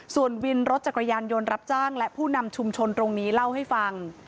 ส่วนวินรถจักรยานยนต์รับจ้างและผู้นำชุมชนตรงนี้เล่าให้ฟัง